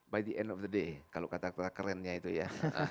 by the end of the day kalau kata kata kerennya itu ya